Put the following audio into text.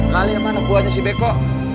kali yang mana buahnya si beko